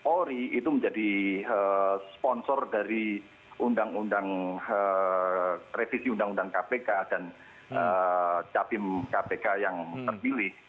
polri itu menjadi sponsor dari undang undang revisi undang undang kpk dan capim kpk yang terpilih